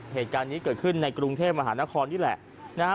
เหตุการณ์นี้เกิดขึ้นในกรุงเทพมหานครนี่แหละนะฮะ